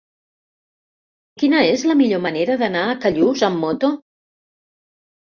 Quina és la millor manera d'anar a Callús amb moto?